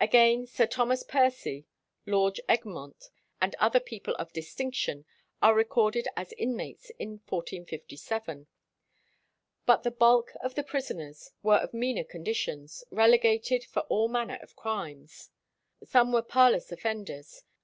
Again, Sir Thomas Percie, Lord Egremond, and other people of distinction, are recorded as inmates in 1457. But the bulk of the prisoners were of meaner condition, relegated for all manner of crimes. Some were parlous offenders.